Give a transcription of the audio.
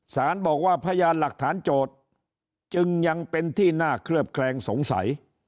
สารบอกว่าพยานหลักฐานโจทย์จึงยังเป็นที่น่าเคลือบแคลงสงสัย